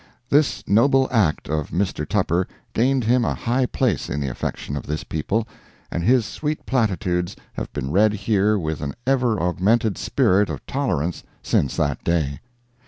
This noble act of Mr. Tupper gained him a high place in the affection of this people, and his sweet platitudes have been read here with an ever augmented spirit of tolerance since that day.